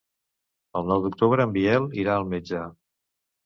El nou d'octubre en Biel irà al metge.